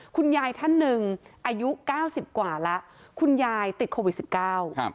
คุณยายท่านหนึ่งอายุเก้าสิบกว่าแล้วคุณยายติดโควิดสิบเก้าครับ